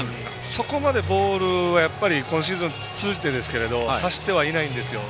そこまでボールは今シーズン通じてですけど走ってはいないんですよね。